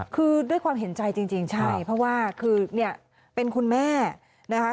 คือด้วยความเห็นใจจริงใช่เพราะว่าคือเนี่ยเป็นคุณแม่นะคะ